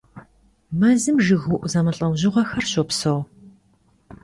Мэзым жыгыуӀу зэмылӀэужьыгъуэхэр щопсэу.